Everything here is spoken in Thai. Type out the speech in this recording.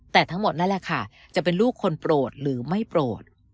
แต่ทั้งหมดนั่นแหละค่ะจะเป็นลูกคนโปรดหรือไม่โปรด